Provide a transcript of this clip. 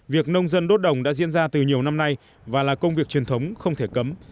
việc nông dân đốt đồng đã diễn ra từ nhiều năm nay và là công việc truyền thống không thể cấm